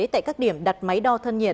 tại các điểm đặt máy đo thân nhiệt